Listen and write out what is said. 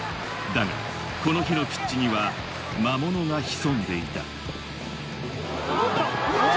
だがこの日のピッチには魔物が潜んでいた。